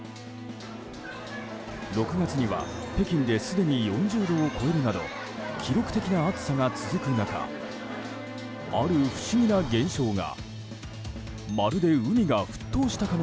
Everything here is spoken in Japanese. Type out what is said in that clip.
６月には北京ですでに４０度を超えるなど記録的な暑さが続く中ある不思議な現象が。